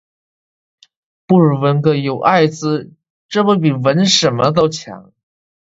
不如纹个“有艾滋”这不比纹什么都强